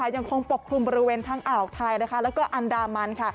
ยังคงปกคลุมบริเวณทั้งอ่าวไทยแล้วก็อันดามัน